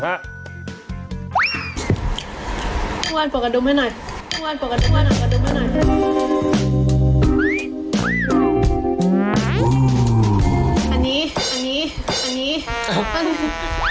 อ้าวปลดกระดุมให้หน่อย